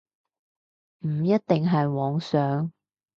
唔一定係妄想